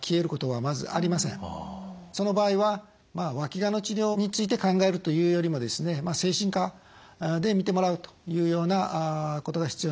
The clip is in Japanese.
その場合はわきがの治療について考えるというよりも精神科で診てもらうというようなことが必要になる場合もあります。